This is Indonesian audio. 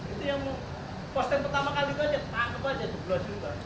itu yang mau posten pertama kali itu aja tangkap aja di blas juntan